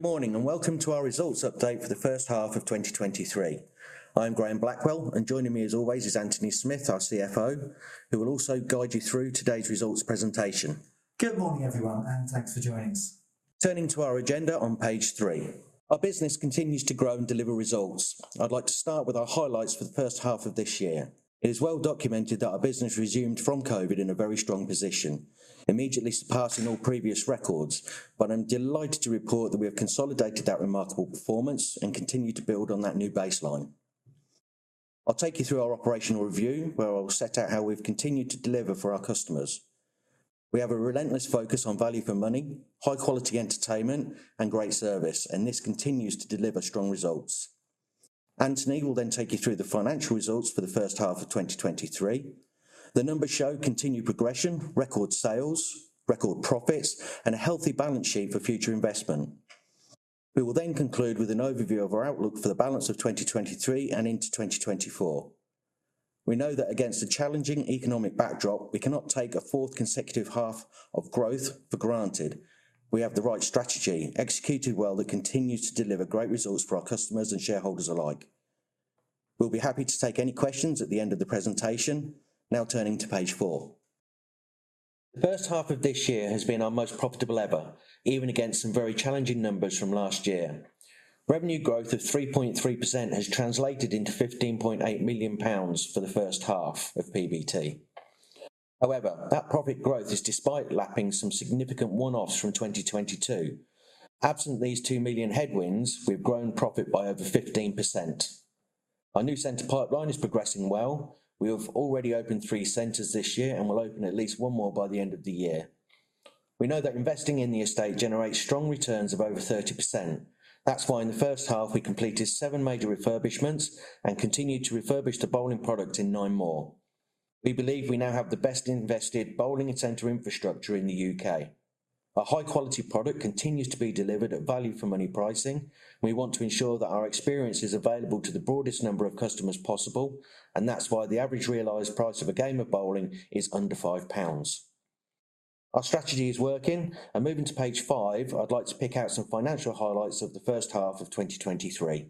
Good morning, and welcome to our results update for the first half of 2023. I'm Graham Blackwell, and joining me, as always, is Antony Smith, our CFO, who will also guide you through today's results presentation. Good morning, everyone, and thanks for joining us. Turning to our agenda on Page 3. Our business continues to grow and deliver results. I'd like to start with our highlights for the first half of this year. It is well documented that our business resumed from COVID in a very strong position, immediately surpassing all previous records, but I'm delighted to report that we have consolidated that remarkable performance and continued to build on that new baseline. I'll take you through our operational review, where I'll set out how we've continued to deliver for our customers. We have a relentless focus on value for money, high-quality entertainment and great service, and this continues to deliver strong results. Antony will then take you through the financial results for the first half of 2023. The numbers show continued progression, record sales, record profits, and a healthy balance sheet for future investment. We will then conclude with an overview of our outlook for the balance of 2023 and into 2024. We know that against a challenging economic backdrop, we cannot take a fourth consecutive half of growth for granted. We have the right strategy, executed well, that continues to deliver great results for our customers and shareholders alike. We'll be happy to take any questions at the end of the presentation. Now turning to Page 4. The first half of this year has been our most profitable ever, even against some very challenging numbers from last year. Revenue growth of 3.3% has translated into 15.8 million pounds for the first half of PBT. However, that profit growth is despite lapping some significant one-offs from 2022. Absent these 2 million headwinds, we've grown profit by over 15%. Our new center pipeline is progressing well. We have already opened three centers this year and will open at least one more by the end of the year. We know that investing in the estate generates strong returns of over 30%. That's why in the first half, we completed seven major refurbishments and continued to refurbish the bowling product in nine more. We believe we now have the best invested bowling and center infrastructure in the UK. A high-quality product continues to be delivered at value for money pricing. We want to ensure that our experience is available to the broadest number of customers possible, and that's why the average realized price of a game of bowling is under 5 pounds. Our strategy is working, moving to Page 5, I'd like to pick out some financial highlights of the first half of 2023.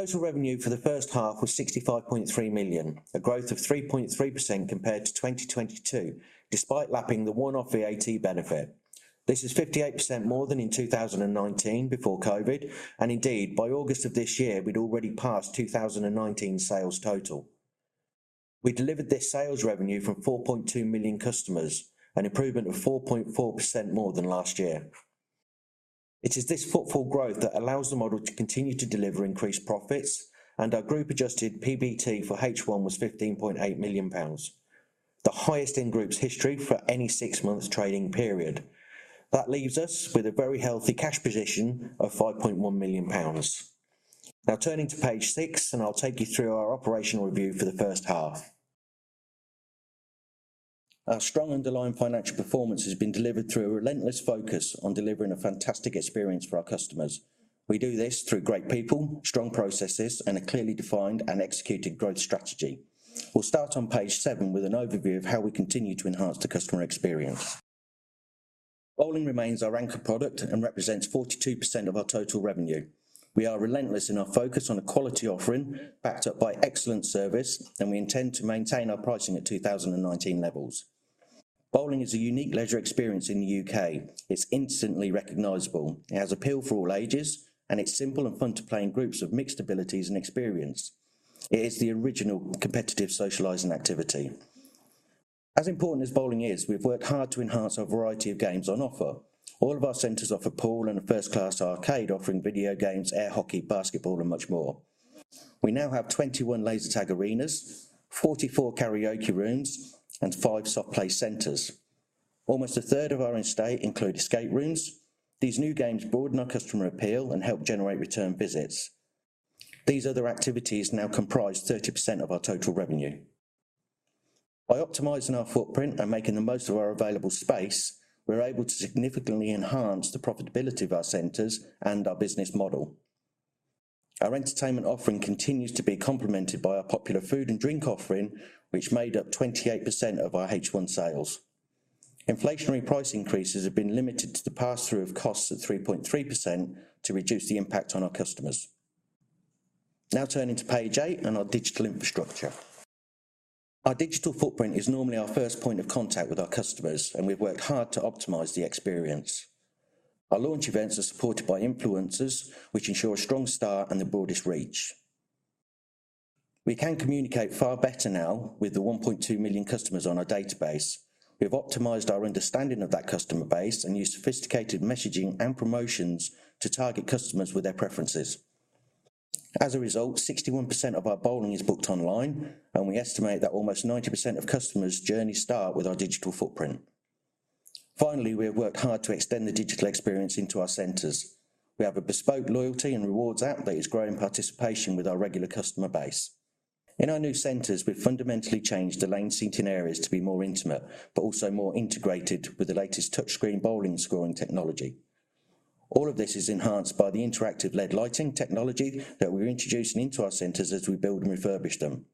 Total revenue for the first half was 65.3 million, a growth of 3.3% compared to 2022, despite lapping the one-off VAT benefit. This is 58% more than in 2019 before COVID, and indeed, by August of this year, we'd already passed 2019 sales total. We delivered this sales revenue from 4.2 million customers, an improvement of 4.4% more than last year. It is this footfall growth that allows the model to continue to deliver increased profits, and our Group Adjusted PBT for H1 was 15.8 million pounds, the highest in Group's history for any six months trading period. That leaves us with a very healthy cash position of 5.1 million pounds. Now turning to Page 6, I'll take you through our operational review for the first half. Our strong underlying financial performance has been delivered through a relentless focus on delivering a fantastic experience for our customers. We do this through great people, strong processes, and a clearly defined and executed growth strategy. We'll start on Page 7 with an overview of how we continue to enhance the customer experience. Bowling remains our anchor product and represents 42% of our total revenue. We are relentless in our focus on a quality offering, backed up by excellent service, and we intend to maintain our pricing at 2019 levels. Bowling is a unique leisure experience in the U.K. It's instantly recognizable, it has appeal for all ages, and it's simple and fun to play in Groups of mixed abilities and experience. It is the original competitive socializing activity. As important as bowling is, we've worked hard to enhance our variety of games on offer. All of our centers offer pool and a first-class arcade, offering video games, air hockey, basketball, and much more. We now have 21 laser tag arenas, 44 karaoke rooms, and five soft play centers. Almost a third of our estate include escape rooms. These new games broaden our customer appeal and help generate return visits. These other activities now comprise 30% of our total revenue. By optimizing our footprint and making the most of our available space, we're able to significantly enhance the profitability of our centers and our business model. Our entertainment offering continues to be complemented by our popular food and drink offering, which made up 28% of our H1 sales. Inflationary price increases have been limited to the pass-through of costs at 3.3% to reduce the impact on our customers. Now turning to Page 8 and our digital infrastructure. Our digital footprint is normally our first point of contact with our customers, and we've worked hard to optimize the experience. Our launch events are supported by influencers, which ensure a strong start and the broadest reach. We can communicate far better now with the 1.2 million customers on our database. We've optimized our understanding of that customer base and use sophisticated messaging and promotions to target customers with their preferences. As a result, 61% of our bowling is booked online, and we estimate that almost 90% of customers' journeys start with our digital footprint. Finally, we have worked hard to extend the digital experience into our centers. We have a bespoke loyalty and rewards app that is growing participation with our regular customer base. In our new centers, we've fundamentally changed the lane seating areas to be more intimate, but also more integrated with the latest touchscreen bowling scoring technology. All of this is enhanced by the interactive LED lighting technology that we're introducing into our centers as we build and refurbish them.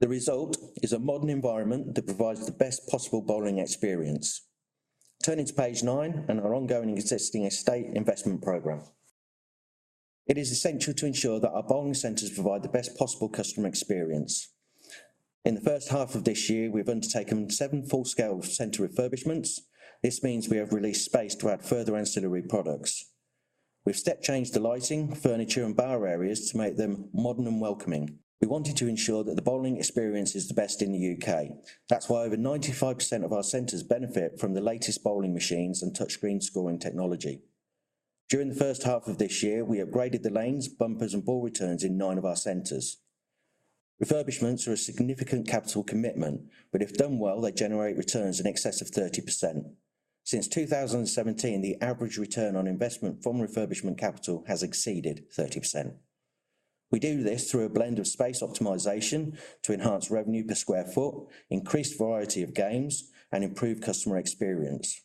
The result is a modern environment that provides the best possible bowling experience. Turning to Page 9, and our ongoing existing estate investment program. It is essential to ensure that our bowling centers provide the best possible customer experience. In the first half of this year, we've undertaken 7 full-scale center refurbishments. This means we have released space to add further ancillary products. We've step changed the lighting, furniture, and bar areas to make them modern and welcoming. We wanted to ensure that the bowling experience is the best in the U.K. That's why over 95% of our centers benefit from the latest bowling machines and touchscreen scoring technology. During the first half of this year, we upgraded the lanes, bumpers, and ball returns in 9 of our centers. Refurbishments are a significant capital commitment, but if done well, they generate returns in excess of 30%. Since 2017, the average return on investment from refurbishment capital has exceeded 30%. We do this through a blend of space optimization to enhance revenue per sq ft, increased variety of games, and improved customer experience,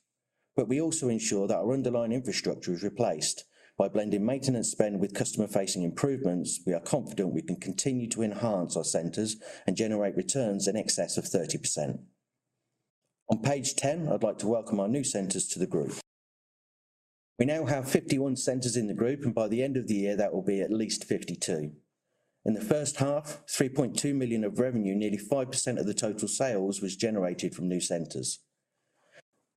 but we also ensure that our underlying infrastructure is replaced. By blending maintenance spend with customer-facing improvements, we are confident we can continue to enhance our centers and generate returns in excess of 30%. On Page 10, I'd like to welcome our new centers to the Group. We now have 51 centers in the Group, and by the end of the year, that will be at least 52. In the first half, 3.2 million of revenue, nearly 5% of the total sales, was generated from new centers.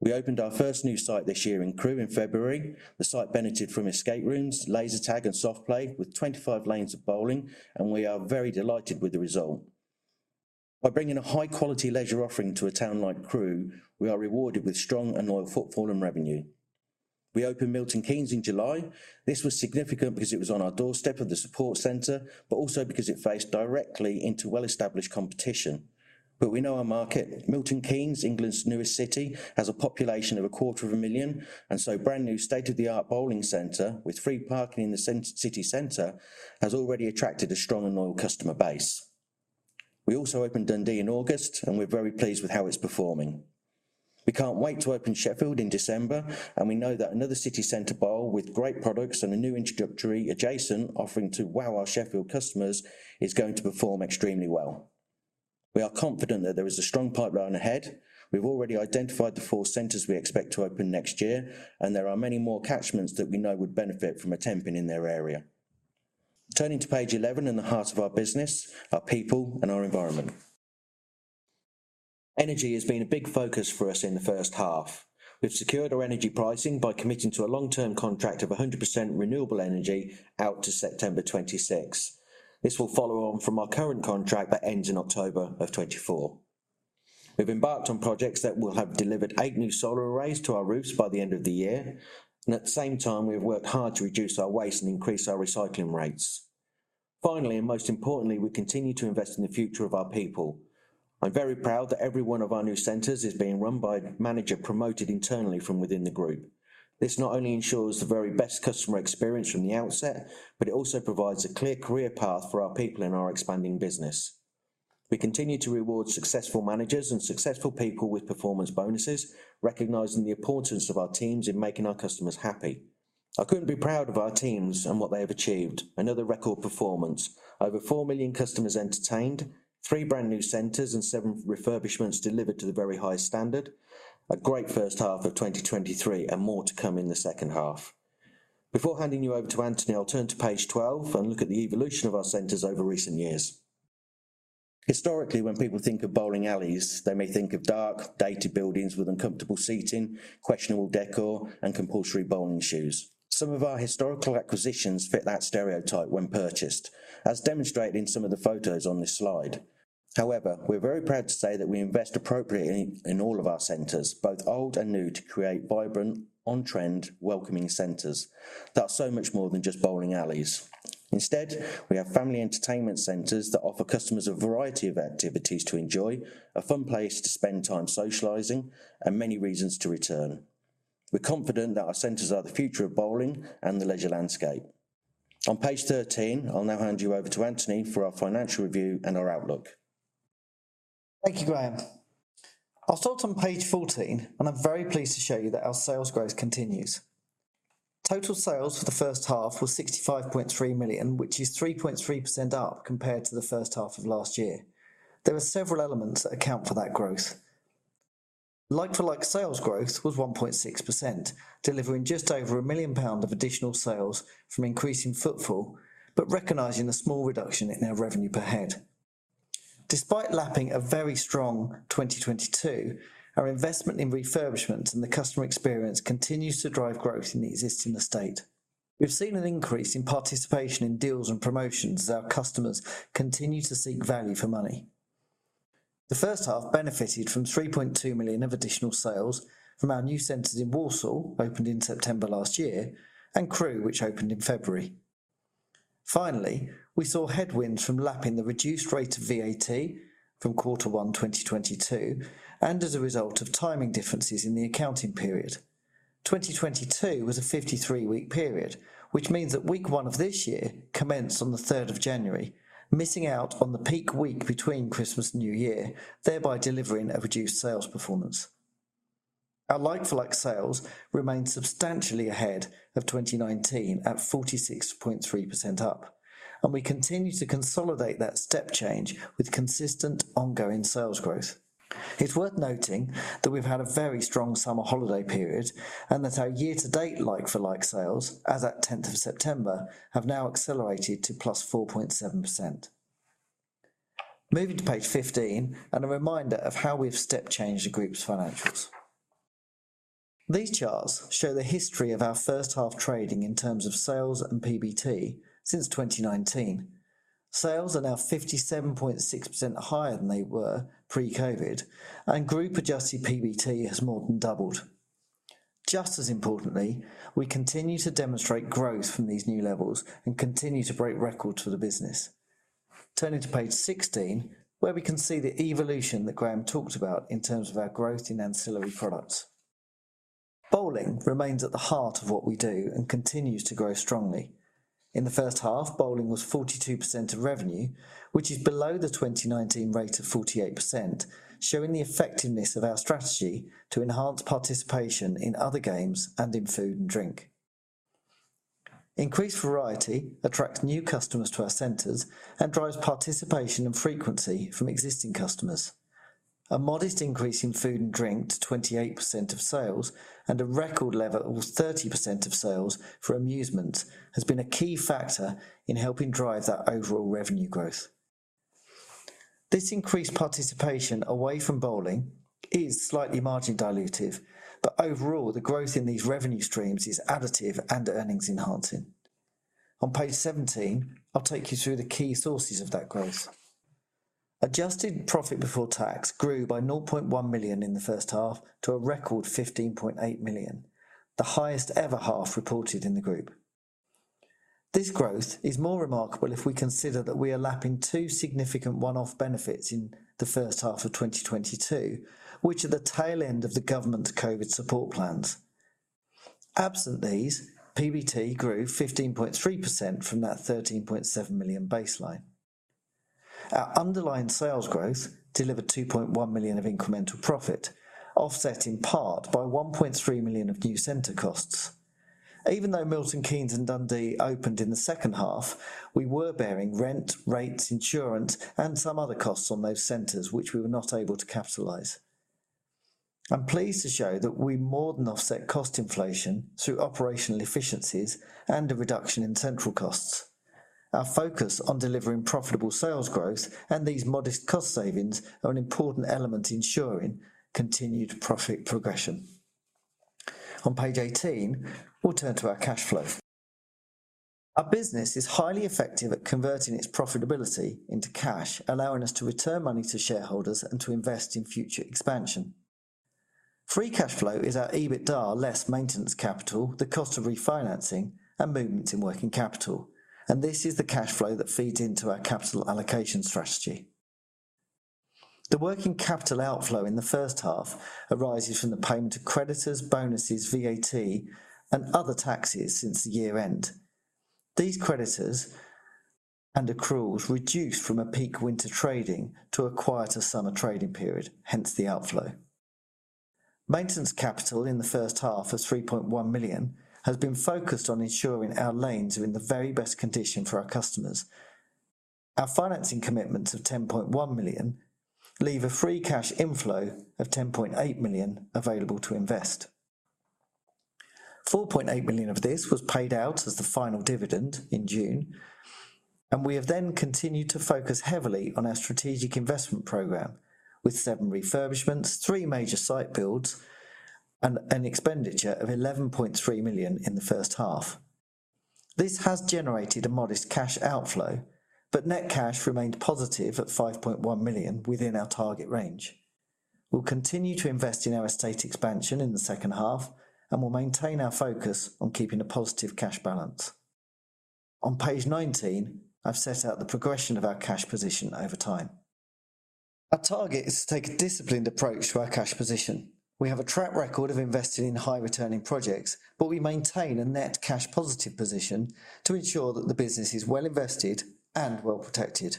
We opened our first new site this year in Crewe in February. The site benefited from escape rooms, laser tag, and soft play, with 25 lanes of bowling, and we are very delighted with the result. By bringing a high-quality leisure offering to a town like Crewe, we are rewarded with strong and loyal footfall and revenue. We opened Milton Keynes in July. This was significant because it was on our doorstep of the Support Centre, but also because it faced directly into well-established competition. We know our market. Milton Keynes, England's newest city, has a population of 250,000, and so a brand-new state-of-the-art bowling center with free parking in the city center has already attracted a strong and loyal customer base. We also opened Dundee in August, and we're very pleased with how it's performing. We can't wait to open Sheffield in December, and we know that another city center bowl with great products and a new introductory adjacent offering to wow our Sheffield customers is going to perform extremely well. We are confident that there is a strong pipeline ahead. We've already identified the 4 centers we expect to open next year, and there are many more catchments that we know would benefit from a Tenpin in their area. Turning to Page 11 and the heart of our business, our people and our environment. Energy has been a big focus for us in the first half. We've secured our energy pricing by committing to a long-term contract of 100% renewable energy out to September 2026. This will follow on from our current contract that ends in October 2024. We've embarked on projects that will have delivered 8 new solar arrays to our roofs by the end of the year, and at the same time, we've worked hard to reduce our waste and increase our recycling rates. Finally, and most importantly, we continue to invest in the future of our people. I'm very proud that every one of our new centers is being run by a manager promoted internally from within the Group. This not only ensures the very best customer experience from the outset, but it also provides a clear career path for our people in our expanding business. We continue to reward successful managers and successful people with performance bonuses, recognizing the importance of our teams in making our customers happy. I couldn't be proud of our teams and what they have achieved. Another record performance, over 4 million customers entertained, three brand-new centers, and seven refurbishments delivered to the very high standard. A great first half of 2023, and more to come in the second half. Before handing you over to Antony, I'll turn to Page 12 and look at the evolution of our centers over recent years. Historically, when people think of bowling alleys, they may think of dark, dated buildings with uncomfortable seating, questionable decor, and compulsory bowling shoes. Some of our historical acquisitions fit that stereotype when purchased, as demonstrated in some of the photos on this slide. However, we're very proud to say that we invest appropriately in all of our centers, both old and new, to create vibrant, on-trend, welcoming centers that are so much more than just bowling alleys. Instead, we have family entertainment centers that offer customers a variety of activities to enjoy, a fun place to spend time socializing, and many reasons to return. We're confident that our centers are the future of bowling and the leisure landscape. On Page 13, I'll now hand you over to Antony for our financial review and our outlook. Thank you, Graham. I'll start on Page 14, and I'm very pleased to show you that our sales growth continues. Total sales for the first half were 65.3 million, which is 3.3% up compared to the first half of last year. There are several elements that account for that growth. Like-for-like sales growth was 1.6%, delivering just over 1 million pound of additional sales from increasing footfall but recognizing the small reduction in our revenue per head. Despite lapping a very strong 2022, our investment in refurbishment and the customer experience continues to drive growth in the existing estate. We've seen an increase in participation in deals and promotions as our customers continue to seek value for money. The first half benefited from 3.2 million of additional sales from our new centers in Walsall, opened in September last year, and Crewe, which opened in February. Finally, we saw headwinds from lapping the reduced rate of VAT from quarter one 2022, and as a result of timing differences in the accounting period. 2022 was a 53-week period, which means that week one of this year commenced on the January 3rd, missing out on the peak week between Christmas and New Year, thereby delivering a reduced sales performance. Our like-for-like sales remain substantially ahead of 2019, at 46.3% up, and we continue to consolidate that step change with consistent ongoing sales growth. It's worth noting that we've had a very strong summer holiday period, and that our year-to-date like-for-like sales, as at 10th of September, have now accelerated to +4.7%. Moving to Page 15, and a reminder of how we've step changed the Group's financials. These charts show the history of our first half trading in terms of sales and PBT since 2019. Sales are now 57.6% higher than they were pre-COVID, and Group Adjusted PBT has more than doubled. Just as importantly, we continue to demonstrate growth from these new levels and continue to break records for the business. Turning to Page 16, where we can see the evolution that Graham talked about in terms of our growth in ancillary products. Bowling remains at the heart of what we do and continues to grow strongly. In the first half, bowling was 42% of revenue, which is below the 2019 rate of 48%, showing the effectiveness of our strategy to enhance participation in other games and in food and drink. Increased variety attracts new customers to our centers and drives participation and frequency from existing customers. A modest increase in food and drink to 28% of sales and a record level of 30% of sales for amusement has been a key factor in helping drive that overall revenue growth. This increased participation away from bowling is slightly margin dilutive, but overall, the growth in these revenue streams is additive and earnings enhancing. On Page 17, I'll take you through the key sources of that growth. Adjusted profit before tax grew by 0.1 million in the first half to a record 15.8 million, the highest ever half reported in the Group. This growth is more remarkable if we consider that we are lapping two significant one-off benefits in the first half of 2022, which are the tail end of the government's COVID support plans. Absent these, PBT grew 15.3% from that 13.7 million baseline. Our underlying sales growth delivered 2.1 million of incremental profit, offset in part by 1.3 million of new center costs. Even though Milton Keynes and Dundee opened in the second half, we were bearing rent, rates, insurance, and some other costs on those centers, which we were not able to capitalize. I'm pleased to show that we more than offset cost inflation through operational efficiencies and a reduction in central costs. Our focus on delivering profitable sales growth and these modest cost savings are an important element ensuring continued profit progression. On Page 18, we'll turn to our cash flow. Our business is highly effective at converting its profitability into cash, allowing us to return money to shareholders and to invest in future expansion. Free cash flow is our EBITDA less maintenance capital, the cost of refinancing and movement in working capital, and this is the cash flow that feeds into our capital allocation strategy. The working capital outflow in the first half arises from the payment of creditors, bonuses, VAT, and other taxes since the year end. These creditors and accruals reduced from a peak winter trading to a quieter summer trading period, hence the outflow. Maintenance capital in the first half of 3.1 million has been focused on ensuring our lanes are in the very best condition for our customers. Our financing commitments of 10.1 million leave a free cash inflow of 10.8 million available to invest. 4.8 million of this was paid out as the final dividend in June, and we have then continued to focus heavily on our strategic investment program with seven refurbishments, three major site builds, and an expenditure of 11.3 million in the first half. This has generated a modest cash outflow, but net cash remained positive at 5.1 million within our target range. We'll continue to invest in our estate expansion in the second half, and we'll maintain our focus on keeping a positive cash balance. On Page 19, I've set out the progression of our cash position over time. Our target is to take a disciplined approach to our cash position. We have a track record of investing in high-returning projects, but we maintain a net cash positive position to ensure that the business is well invested and well protected.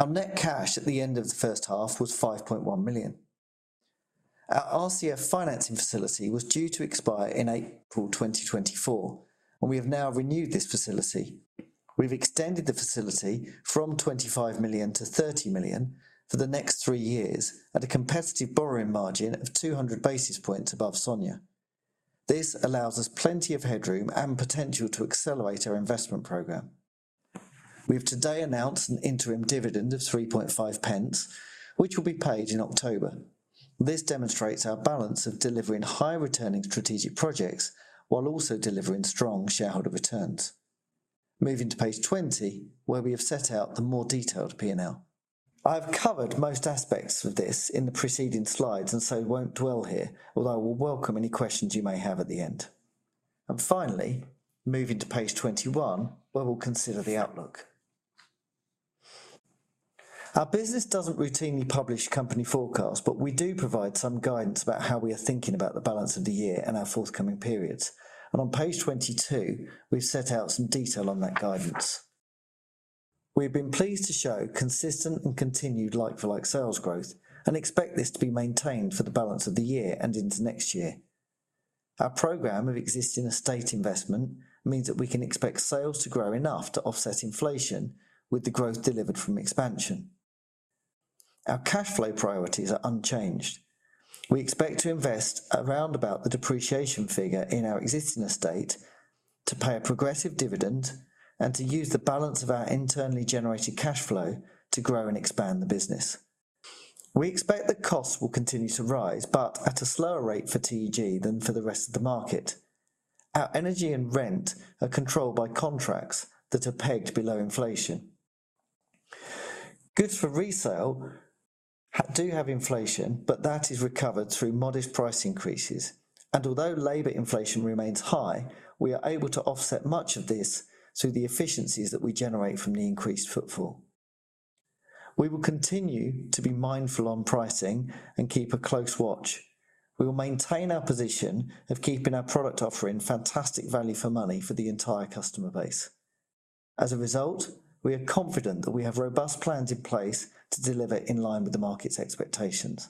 Our net cash at the end of the first half was 5.1 million. Our RCF financing facility was due to expire in April 2024, and we have now renewed this facility. We've extended the facility from 25 million to 30 million for the next three years at a competitive borrowing margin of 200 basis points above SONIA. This allows us plenty of headroom and potential to accelerate our investment program. We've today announced an interim dividend of 3.5 pence, which will be paid in October. This demonstrates our balance of delivering high-returning strategic projects while also delivering strong shareholder returns. Moving to Page 20, where we have set out the more detailed P&L. I've covered most aspects of this in the preceding slides and so won't dwell here, although I will welcome any questions you may have at the end. Finally, moving to Page 21, where we'll consider the outlook. Our business doesn't routinely publish company forecasts, but we do provide some guidance about how we are thinking about the balance of the year and our forthcoming periods. On Page 22, we've set out some detail on that guidance. We've been pleased to show consistent and continued like-for-like sales growth and expect this to be maintained for the balance of the year and into next year. Our program of existing estate investment means that we can expect sales to grow enough to offset inflation with the growth delivered from expansion. Our cash flow priorities are unchanged. We expect to invest around about the depreciation figure in our existing estate, to pay a progressive dividend, and to use the balance of our internally generated cash flow to grow and expand the business. We expect that costs will continue to rise, but at a slower rate for TEG than for the rest of the market. Our energy and rent are controlled by contracts that are pegged below inflation. Goods for resale do have inflation, but that is recovered through modest price increases. Although labor inflation remains high, we are able to offset much of this through the efficiencies that we generate from the increased footfall. We will continue to be mindful on pricing and keep a close watch. We will maintain our position of keeping our product offering fantastic value for money for the entire customer base. As a result, we are confident that we have robust plans in place to deliver in line with the market's expectations.